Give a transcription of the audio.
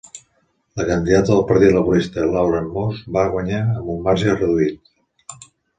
La candidata del Partit Laborista Lauren Moss va guanyar amb un marge reduït.